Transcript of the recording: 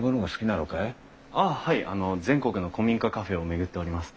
あの全国の古民家カフェを巡っております。